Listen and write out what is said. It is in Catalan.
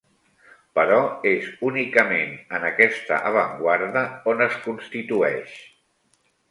Però és únicament en aquesta avantguarda on es constitueix.